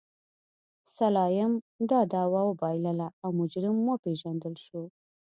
سلایم دا دعوه وبایلله او مجرم وپېژندل شو.